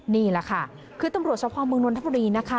นี่แหละค่ะคือตำรวจสภอมเมืองนทบุรีนะคะ